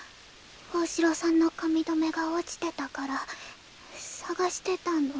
大城さんの髪留めが落ちてたから捜してたの。